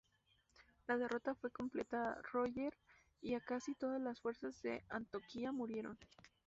La derrota fue completa, Roger y casi todas las fuerzas de Antioquía murieron.